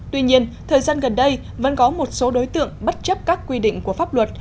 tuy nhiên thời gian gần đây vẫn có một số đối tượng bất chấp các quy định của pháp luật